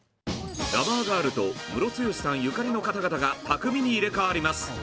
ラバーガールとムロツヨシさんゆかりの方々が巧みに入れ代わります。